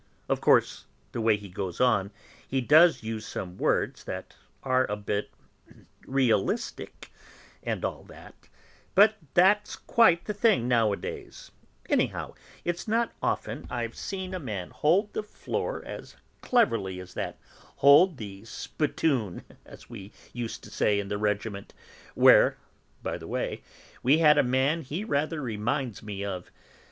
Of course, the way he goes on, he does use some words that are a bit realistic, and all that; but that's quite the thing nowadays; anyhow, it's not often I've seen a man hold the floor as cleverly as that, 'hold the spittoon,' as we used to say in the regiment, where, by the way, we had a man he rather reminds me of.